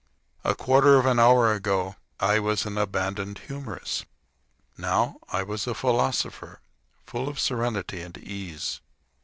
A quarter of an hour ago I was an abandoned humorist. Now I was a philosopher, full of serenity and ease.